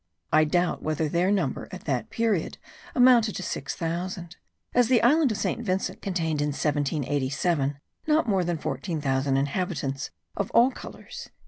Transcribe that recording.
I doubt whether their number at that period amounted to six thousand, as the island of St. Vincent contained in 1787 not more than fourteen thousand inhabitants of all colours.)